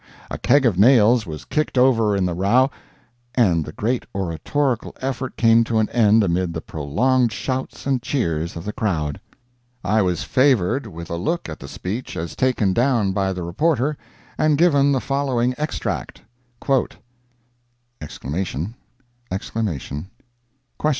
A keg of nails was kicked over in the row, and the great oratorical effort came to an end amid the prolonged shouts and cheers of the crowd. I was favored with a look at the speech as taken down by the reporter, and give the following extract: "_____!_____!_____?_____!